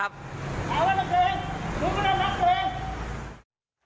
ตำบวชนักเลงตำบวชนักเลง